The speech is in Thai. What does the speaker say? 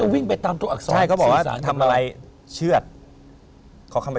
วิ่งไปตามตัวอักษรชื่อสาร